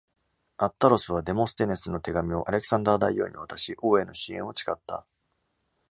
アッタロスはデモステネスの手紙をアレクサンダー大王に渡し、王への支援を誓った。